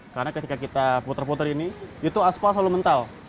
karena ketika kita puter puter ini itu asfal selalu mental